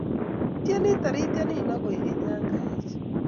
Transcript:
Ityeni toritie nino kwekeny ya kaech